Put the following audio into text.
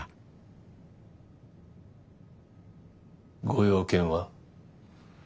ご用件は？